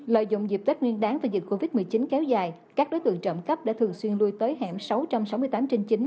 lợi dụng dịp tết nguyên đáng và dịch covid một mươi chín kéo dài các đối tượng trộm cắp đã thường xuyên lui tới hẻm sáu trăm sáu mươi tám trên chín